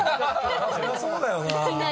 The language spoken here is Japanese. そりゃそうだよな。